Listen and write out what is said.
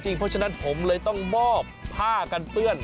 เพราะฉะนั้นผมเลยต้องมอบผ้ากันเปื้อน